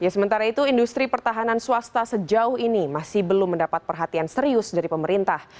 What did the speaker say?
sementara itu industri pertahanan swasta sejauh ini masih belum mendapat perhatian serius dari pemerintah